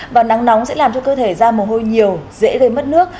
và nắng nóng sẽ làm cho cơ thể ra mồ hôi nhiều dễ gây mất nước